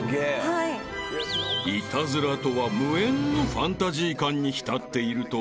［イタズラとは無縁のファンタジー感に浸っていると］